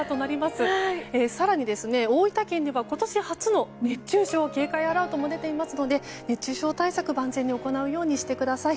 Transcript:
更に大分県では今年初の熱中症警戒アラートも出ていますので熱中症対策を万全に行うようにしてください。